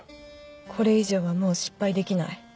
これ以上はもう失敗できない。